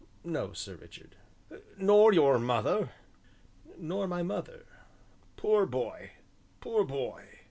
"No, Sir Richard." "Nor your mother?" "Nor my mother." "Poor boy poor boy!"